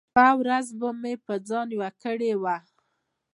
شپه ورځ به مې په ځان يوه کړې وه .